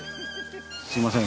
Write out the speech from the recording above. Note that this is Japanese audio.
すいません。